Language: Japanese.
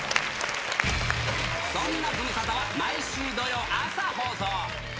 そんなズムスタは毎週土曜朝放送。